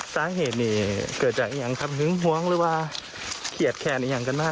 สายเห็นนี่เกิดจากยังความถึงหวังหรือว่าเคียดแขนกันมากตัวเนี่ย